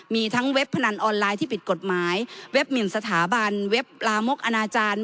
มีทั้งเว็บพนันออนไลน์ที่ผิดกฎหมายเว็บหมินสถาบันเว็บลามกอนาจารย์